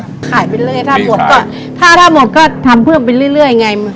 ก็ขายไปเรื่อยถ้าหมดก็ถ้าถ้าหมดก็ทำเพิ่มไปเรื่อยไง